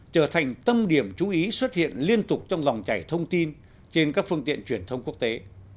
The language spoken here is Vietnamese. trở thành tâm điểm chú ý xuất hiện liên tục trong dòng chảy thông tin trên các phương tiện truyền thông quốc tế